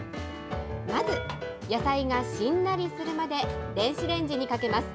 まず野菜がしんなりするまで電子レンジにかけます。